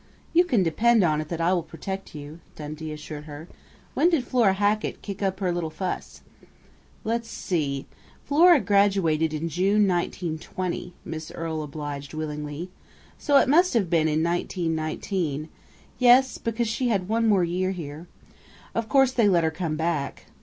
"You can depend on it that I will protect you," Dundee assured her. "When did Flora Hackett kick up her little fuss?" "Let's see.... Flora graduated in June, 1920," Miss Earle obliged willingly. "So it must have been in 1919 yes, because she had one more year here. Of course they let her come back!...